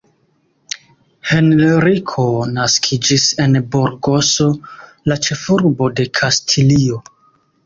Henriko naskiĝis en Burgoso, la ĉefurbo de Kastilio.